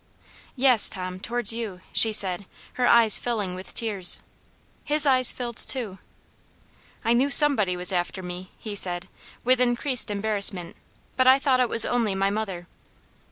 " Yes, Tom, towards you," she said, her eyes filling with tears. His eyes filled too. " I knew somebody was after me," he said, with increased embarrassment, "but I thought it was only my mother."